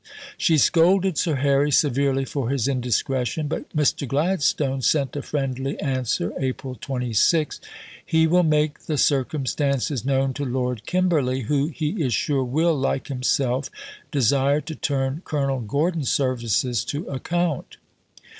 She scolded Sir Harry severely for his indiscretion; but Mr. Gladstone sent a friendly answer (April 26): "he will make the circumstances known to Lord Kimberley who, he is sure, will, like himself, desire to turn Colonel Gordon's services to account."